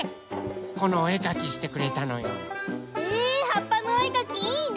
このおえかきしてくれたのよ。えはっぱのおえかきいいね。